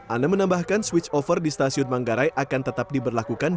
anna menambahkan switch over di stasiun manggarai akan tetap diberlakukan